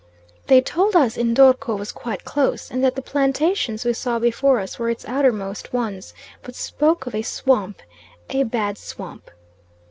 They told us N'dorko was quite close, and that the plantations we saw before us were its outermost ones, but spoke of a swamp, a bad swamp.